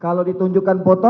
kalau ditunjukkan foto